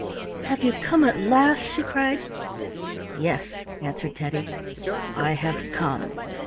"Have you come at last?" she cried. "Yes," answered Teddy, "I have come."